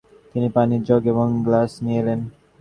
তিনি পানির জগ এবং গ্লাস নিয়ে এলেন।